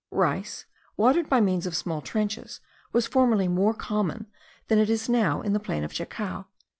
Rice, watered by means of small trenches, was formerly more common than it now is in the plain of Chacao.